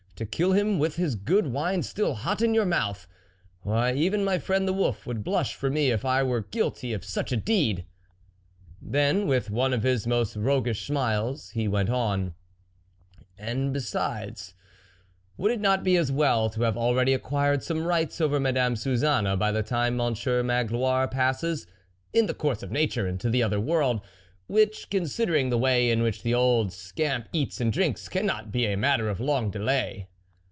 to kill him with his good wine still hot in your mouth ! why, even my friend the wolf would blush for me if I were guilty of such a deed." Then with one of his most roguish smiles, he went on :" And besides, would it not be as well to have already acquired some rights over Madame Suzanne, by the time Monsieur Magloire passes, in the course of nature, into the other world, which, considering the way in which the old scamp eats and drinks, cannot be a matter of long delay